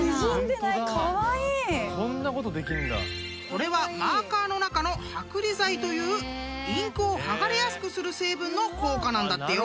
［これはマーカーの中の剥離剤というインクを剥がれやすくする成分の効果なんだってよ］